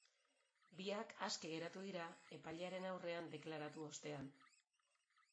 Biak aske geratu dira epailearen aurrean deklaratu ostean.